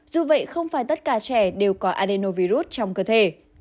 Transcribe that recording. dù vậy không phải tất cả trẻ đều có adenovirus trong cơ thể